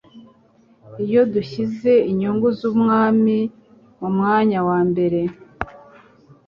Iyo dushyize inyungu z'Ubwami mu mwanya wa mbere